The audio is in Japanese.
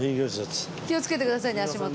気を付けてくださいね足元。